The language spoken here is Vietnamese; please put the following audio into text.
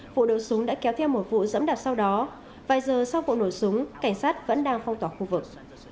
vụ đấu súng đã kéo theo một vụ dẫm đặt sau đó vài giờ sau vụ nổ súng cảnh sát vẫn đang phong tỏa khu vực